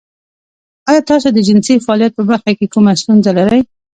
ایا تاسو د جنسي فعالیت په برخه کې کومه ستونزه لرئ؟